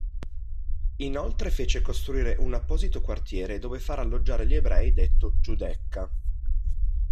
Inoltre fece costruire un apposito quartiere dove far alloggiare gli Ebrei detto “Giudecca”.